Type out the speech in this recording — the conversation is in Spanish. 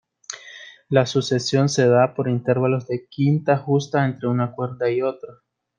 La sucesión se da por intervalos de quinta justa entre una cuerda y otra.